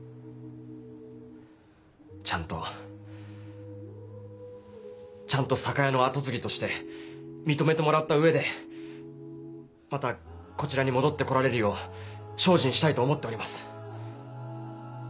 ちゃんとちゃんと酒屋の跡継ぎとして認めてもらった上でまたこちらに戻って来られるよう精進したいと思っております。